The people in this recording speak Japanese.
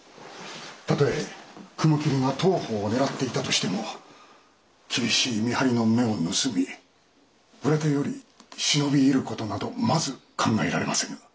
たとえ雲霧が当方を狙っていたとしても厳しい見張りの目を盗み裏手より忍び入る事などまず考えられませぬ。